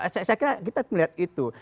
saya kira kita melihat itu